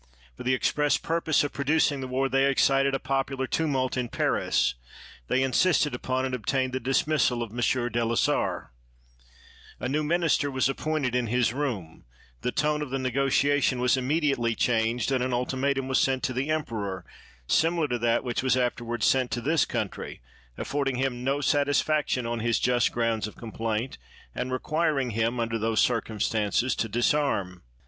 For the express purpose of producing the war they excited a popular tumult in Paris; they insisted upon and obtained the dismissal of M. Delessart. A new minister was appointed in his room; the tone of the negotiation was im mediately changed, and an ultimatum was sent to the emperor, similar to that which was after ward sent to this country, affording him no satisfaction on his just grounds of complaint, and requiring him, under those circumstances, to disarm.